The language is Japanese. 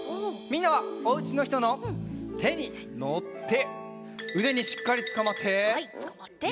みんなはおうちのひとのてにのってうでにしっかりつかまって。